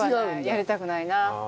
やりたくないなあ。